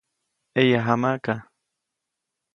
ʼEyajamaʼka.